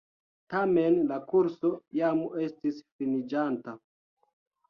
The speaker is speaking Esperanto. Tamen la kurso jam estis finiĝanta.